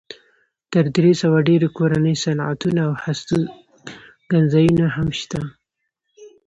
تر درې سوه ډېر کورني صنعتونه او هستوګنځایونه هم شته.